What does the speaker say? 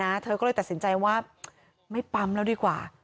เธอก็เลยตัดสินใจว่าไม่ปั๊มแล้วดีกว่า